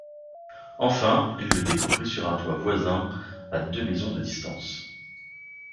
Enfin, il le découvrit sur un toit voisin, à deux maisons de distance.